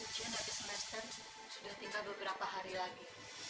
ujian dari semester sudah tinggal beberapa hari lagi